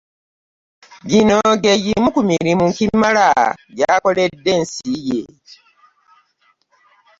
Gino gye gimu ku mirimo Kimala gy’akoledde ensi ye.